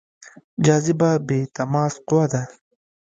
جاذبه بې تماس قوه ده.